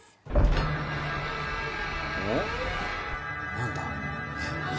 ・何だ？